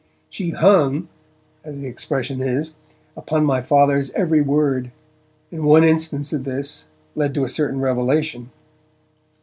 She 'hung', as the expression is, upon my Father's every word, and one instance of this led to a certain revelation.